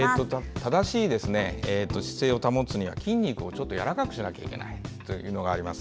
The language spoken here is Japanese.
正しい姿勢を保つには筋肉をやわらかくしなきゃいけないというのがあります。